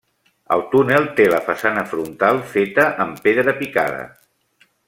El túnel té la façana frontal feta amb pedra picada.